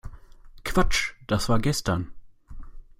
Quatsch, das war gestern!